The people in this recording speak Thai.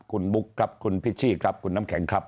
คุณบุ๊คครับคุณพิชชี่ครับคุณน้ำแข็งครับ